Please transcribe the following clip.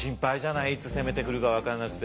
いつ攻めてくるか分かんなくて。